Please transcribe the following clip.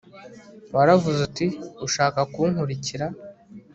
waravuze uti ushaka kunkurikira